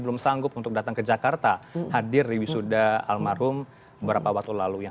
belum sanggup untuk datang ke jakarta hadir di wisuda almarhum beberapa waktu lalu yang